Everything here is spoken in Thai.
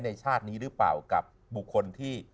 ชาตินี้หรือเปล่ากับบุคคลที่